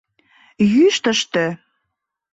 Йӱштыштӧ.